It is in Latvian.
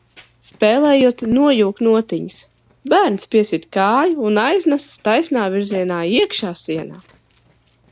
Spēlējot nojūk notiņas, bērns piesit kāju un aiznesas taisnā virzienā iekšā sienā...